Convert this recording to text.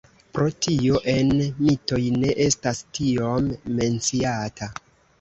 Pro tio en mitoj ne estas tiom menciata.